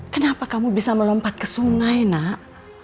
kenapa kamu bisa melompat ke sungai nak